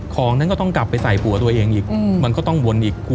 ของนั้นก็ต้องกลับไปใส่ผัวตัวเองอีกมันก็ต้องวนอีก